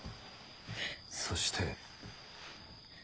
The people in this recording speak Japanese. そして。